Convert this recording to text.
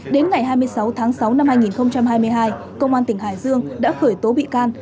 đến ngày hai mươi sáu tháng sáu năm hai nghìn hai mươi hai công an tỉnh hải dương đã khởi tố bị can